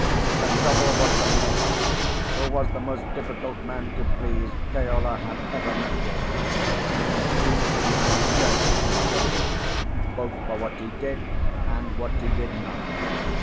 The trouble was the mate, who was the most difficult man to please Keola had ever met with, and beat and cursed him daily, both for what he did and what he did not.